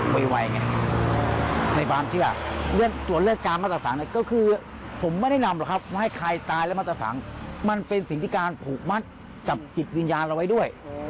กับจิตวิญญาณเราไว้ด้วย